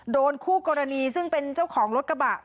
คู่กรณีซึ่งเป็นเจ้าของรถกระบะ